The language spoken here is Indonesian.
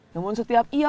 namun setiap ia pulang